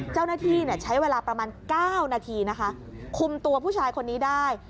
เจ้าหน้าที่ใช้เวลาประมาณ๙นาทีนะคะคุมตัวผู้ชายคนนี้ได้